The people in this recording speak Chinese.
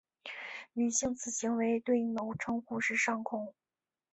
女性此行为对应的称呼是上空。